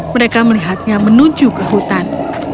mereka melihatnya menuju ke hutan